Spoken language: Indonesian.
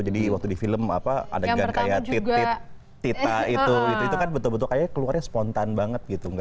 jadi waktu di film adegan kayak tita itu itu kan betul betul kayaknya keluarnya spontan banget gitu